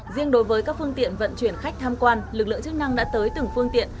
riêng đối với các phương tiện vận chuyển khách tham quan lực lượng chức năng đã tới từng phương tiện